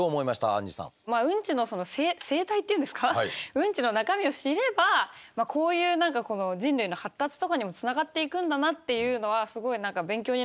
ウンチのその生態っていうんですかウンチの中身を知ればこういう何かこの人類の発達とかにもつながっていくんだなっていうのはすごい勉強になったので。